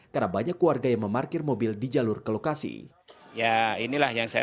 karena banyak keluarga yang memarkir mobil di jalur ke lokasi